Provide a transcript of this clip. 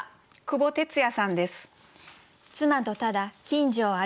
久保哲也さんです。